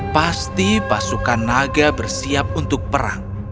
pasti pasukan naga bersiap untuk perang